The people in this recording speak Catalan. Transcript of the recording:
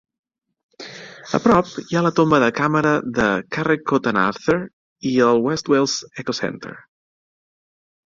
A prop hi ha la tomba de càmera de Carreg Coetan Arthur i el West Wales Eco Centre.